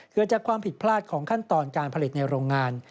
เกิดจากความผิดพลาดของขั้นตอนการผลิตในโรงงาน